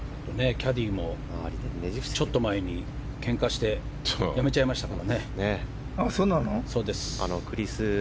キャディーもちょっと前にけんかして辞めちゃいましたからね。